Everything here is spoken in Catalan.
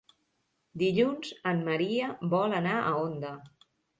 Dilluns en Maria vol anar a Onda.